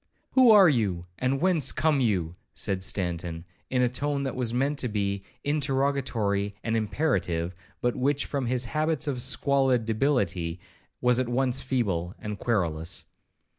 'Who are you, and whence come you?' said Stanton, in a tone that was meant to be interrogatory and imperative, but which, from his habits of squalid debility, was at once feeble and querulous.